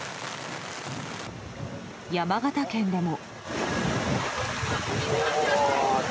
山形県でも。